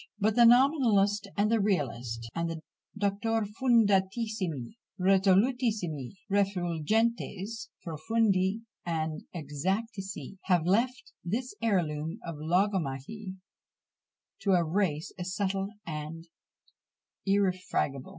But the nominalists and the realists, and the doctores fundatissimi, resolutissimi, refulgentes, profundi, and extatici, have left this heirloom of logomachy to a race as subtle and irrefragable!